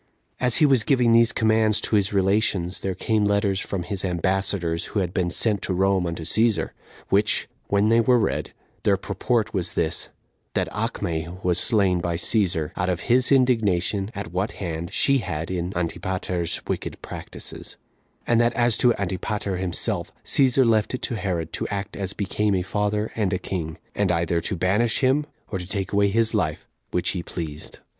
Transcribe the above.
1. As he was giving these commands to his relations, there came letters from his ambassadors, who had been sent to Rome unto Cæsar, which, when they were read, their purport was this: That Acme was slain by Cæsar, out of his indignation at what hand, she had in Antipater's wicked practices; and that as to Antipater himself, Cæsar left it to Herod to act as became a father and a king, and either to banish him, or to take away his life, which he pleased.